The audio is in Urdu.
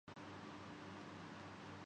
ان میں ایسے نام تھے۔